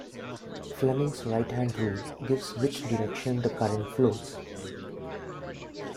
Fleming's right-hand rule gives which direction the current flows.